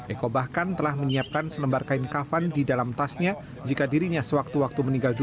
eko bahkan telah menyiapkan selembar kain kafan di dalam tasnya jika dirinya sewaktu waktu meninggal